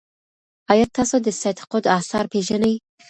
ایا تاسو د سید قطب اثار پیژنئ؟